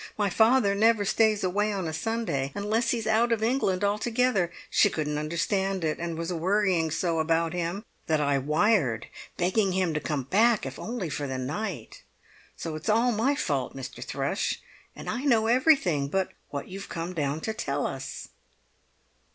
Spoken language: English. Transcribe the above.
My father never stays away a Sunday unless he's out of England altogether; she couldn't understand it, and was worrying so about him that I wired begging him to come back if only for the night. So it's all my fault, Mr. Thrush; and I know everything but what you've come down to tell us!"